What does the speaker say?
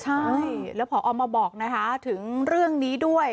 ใช่แล้วพอมาบอกนะคะถึงเรื่องนี้ด้วย